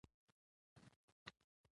ازادي راډیو د بهرنۍ اړیکې وضعیت انځور کړی.